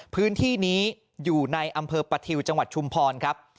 พื้นที่นี้อยู่ในอำเภอประทิวจังหวัดชุมพรครับ